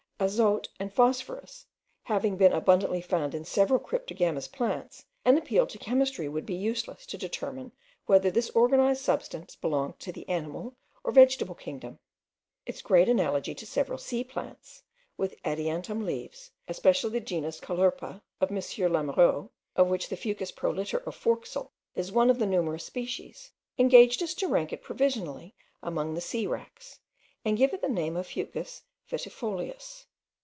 Azote and phosphorus having been abundantly found in several cryptogamous plants, an appeal to chemistry would be useless to determine whether this organized substance belonged to the animal or vegetable kingdom. Its great analogy to several sea plants, with adiantum leaves, especially the genus caulerpa of M. Lamoureux, of which the Fucus proliter of Forskael is one of the numerous species, engaged us to rank it provisionally among the sea wracks, and give it the name of Fucus vitifolius.